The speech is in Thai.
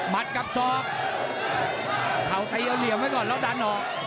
กับศอกเข่าตีเอาเหลี่ยมไว้ก่อนแล้วดันออก